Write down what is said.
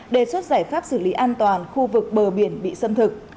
đề xuất giải pháp xử lý an toàn khu vực bờ biển bị xâm thực